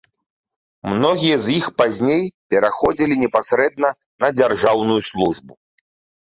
Многія з іх пазней пераходзілі непасрэдна на дзяржаўную службу.